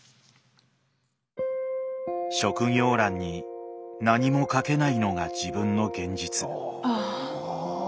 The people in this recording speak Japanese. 職業欄に何も書けないのが自分の現実ああ。